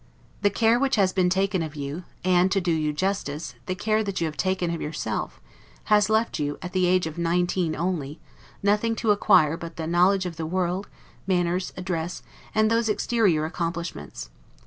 The care which has been taken of you, and (to do you justice) the care that you have taken of yourself, has left you, at the age of nineteen only, nothing to acquire but the knowledge of the world, manners, address, and those exterior accomplishments.